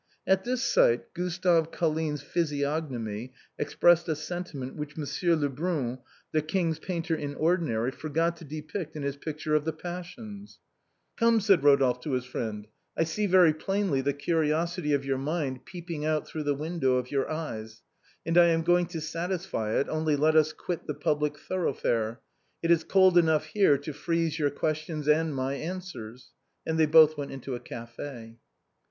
At this sight, Gustave Colline's physiognomy expressed a senti ment which Monsieur Lebrun, the king's painter in ordi nary, forgot to depict in his picture of " The Passions." ROMEO AND JULIET. 295 " Come," said Rodolphe to his friend, " I see very plainly the curiosity of your mind peeping out through the window of your eyes ; and I am going to satisfy it, only let us quit the public thoroughfare. It is cold enough here to freeze your questions and my answers." And they both went into a café.